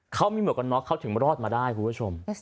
เขามีหมวกกันน็อกเขาถึงรอดมาได้คุณผู้ชม